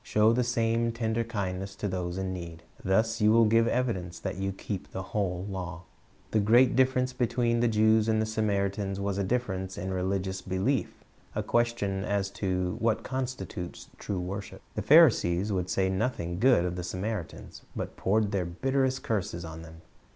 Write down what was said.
Show the same tender kindness to those in need. Thus you will give evidence that you keep the whole law. The great difierence between the Jews and the Samaritans was a difference in religious belief, a question as to what constitutes true w^orship. The Pharisees would say nothing good of the Samaritans, but poured their bitterest curses upon them.